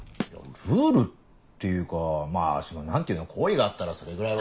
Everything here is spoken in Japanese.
ルールっていうかまぁその何ていうの好意があったらそれぐらいは。